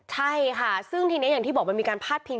ใช่ค่ะซึ่งทีนี้อย่างที่บอกมันมีการพาดพิง